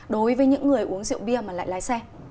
đối với những người uống rượu bia mà lại lái xe